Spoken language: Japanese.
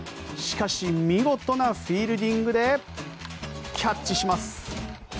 しかし見事なフィールディングでキャッチします。